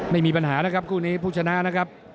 ไม่มีปัญหานะครับคู่นี้ผู้ชนะนะครับ